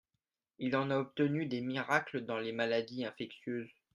Il en a obtenu des miracles dans les maladies infectieuses.